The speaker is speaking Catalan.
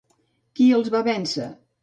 Qui els va vèncer?